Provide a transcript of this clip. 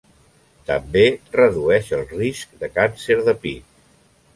També redueix el risc de càncer de pit.